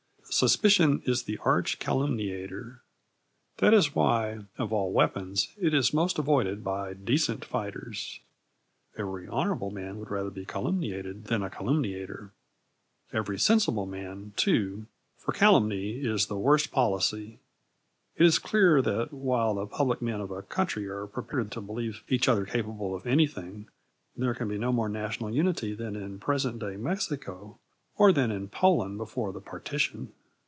Suspicion is the arch calumniator. That is why, of all weapons, it is most avoided by decent fighters. Every honourable man would rather be calumniated than a calumniator every sensible man, too, for calumny is the worst policy. It is clear that while the public men of a country are prepared to believe each other capable of anything there can be no more national unity than in present day Mexico or than in Poland before the partition.